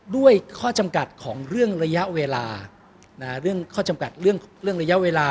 ด้วยข้อจำกัดของเรื่องระยะเวลาเรื่องข้อจำกัดเรื่องระยะเวลา